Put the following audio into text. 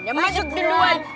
oke masuk ke duluan